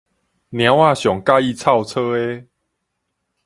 貓仔上佮意臭臊的